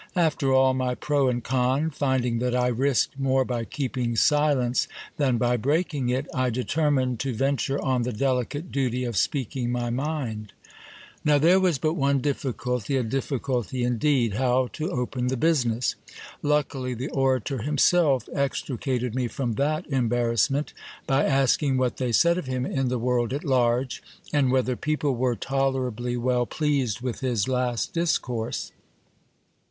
After all my pro and con, finding that I risked more by keeping silence than by breaking it, I determined to venture on the delicate duty of speaking my mind. Now there was but one difficulty ; a difficulty indeed ! how to open the business. Luckily the orator himself extricated me from that embarrassment, by asking what they said of him in the world at large, and whether people were tolerably well pleased with his last discourse.